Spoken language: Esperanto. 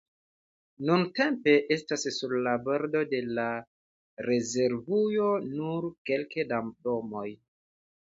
Nuntempe estas sur la bordo de la rezervujo nur kelke da domoj.